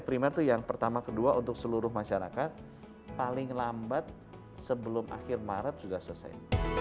primer itu yang pertama kedua untuk seluruh masyarakat paling lambat sebelum akhir maret sudah selesai